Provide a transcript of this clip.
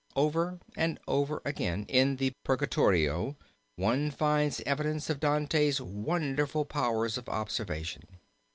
Over and over again in the Purgatorio one finds evidence of Dante's wonderful powers of observation.